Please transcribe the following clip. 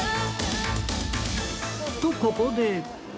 とここで